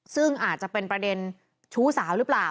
ซึ่งอาจจะเป็นประเด็นชู้สาวหรือเปล่า